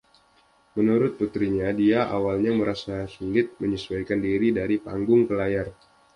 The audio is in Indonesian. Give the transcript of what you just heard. Menurut putrinya, dia awalnya merasa sulit menyesuaikan diri dari panggung ke layar.